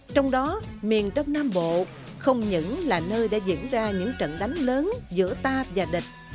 trong đó miền đông nam bộ không những là nơi đã diễn ra những trận đánh lớn giữa ta và địch